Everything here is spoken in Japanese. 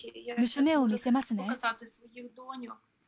娘を見せますね。